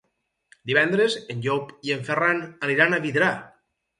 Divendres en Llop i en Ferran aniran a Vidrà.